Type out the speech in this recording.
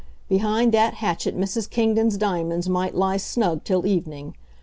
Behind that hatchet Mrs. Kingdon's diamonds might lie snug till evening.